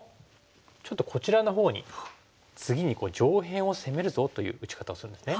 ちょっとこちらのほうに次に上辺を攻めるぞという打ち方をするんですね。